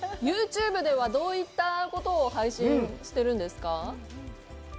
ユーチューブではどういったことを配信しているんですか。